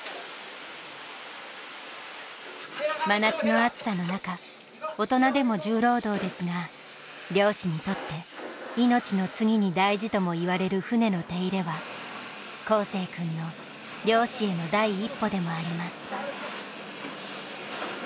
真夏の暑さのなか大人でも重労働ですが漁師にとって命の次に大事ともいわれる船の手入れは航世君の漁師への第一歩でもあります。